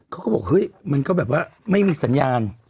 เขาก็บอกเฮ้ยมันก็แบบว่าไม่มีสัญญาณ